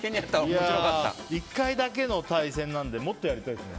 １回だけの対戦なのでもっとやりたいですね。